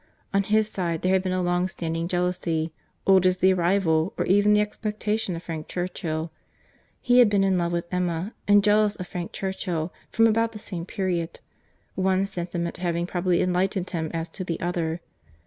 —On his side, there had been a long standing jealousy, old as the arrival, or even the expectation, of Frank Churchill.—He had been in love with Emma, and jealous of Frank Churchill, from about the same period, one sentiment having probably enlightened him as to the other.